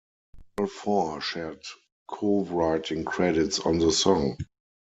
All four shared co-writing credits on the song.